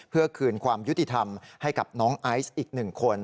เพื่อคืนความยุติธรรมให้กับน้องไอซ์อีก๑คน